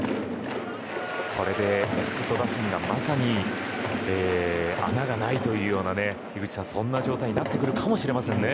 これでヤクルト打線がまさに穴がないという井口さん、そんな状態になるかもしれませんね。